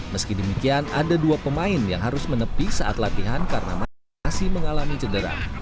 meski demikian ada dua pemain yang harus menepi saat latihan karena masih mengalami cedera